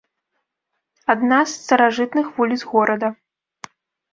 Адна з старажытных вуліц горада.